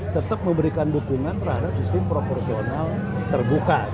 tetap memberikan dukungan terhadap sistem proporsional terbuka